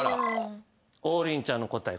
王林ちゃんの答え